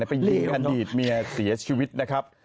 ไปยิงอดีตเมียเสียชีวิตนะครับ